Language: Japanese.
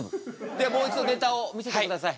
ではもう一度ネタを見せてください。